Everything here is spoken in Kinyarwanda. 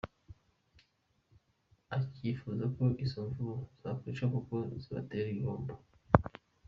Akifuza ko izo mvubu zakwicwa kuko zibatera igihombo.